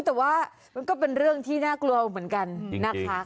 แต่ว่ามันก็เป็นเรื่องที่น่ากลัวเหมือนกันนะคะ